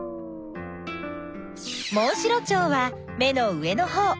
モンシロチョウは目の上のほう。